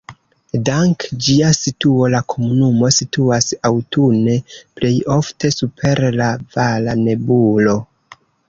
Dank ĝia situo la komunumo situas aŭtune plej ofte super la vala nebulo.